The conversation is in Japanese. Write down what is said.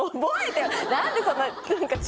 何でそんな。